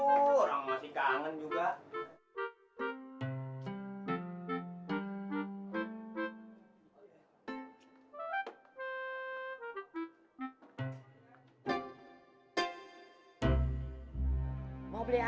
orang masih kangen juga